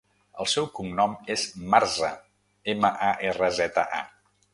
El seu cognom és Marza: ema, a, erra, zeta, a.